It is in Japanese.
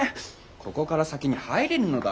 ここから先に入れぬのだ。